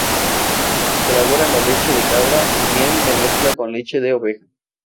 Se elabora la leche de cabra o bien de mezcla con leche de oveja.